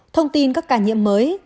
thông tin các ca nhiễm mới